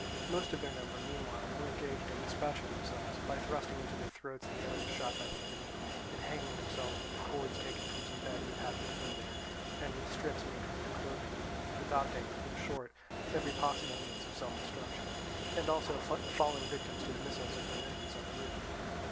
Most of their number, meanwhile, were engaged in dispatching themselves by thrusting into their throats the arrows shot by the enemy, and hanging themselves with the cords taken from some beds that happened to be there, and with strips made from their clothing; adopting, in short, every possible means of self destruction, and also falling victims to the missiles of their enemies on the roof.